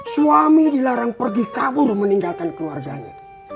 suami dilarang pergi kabur meninggalkan keluarganya